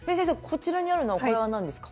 こちらにあるのはこれは何ですか？